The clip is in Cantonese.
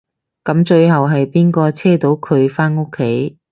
噉最後係邊個車到佢返屋企？